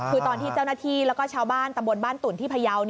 คือตอนที่เจ้าหน้าที่แล้วก็ชาวบ้านตำบลบ้านตุ่นที่พยาว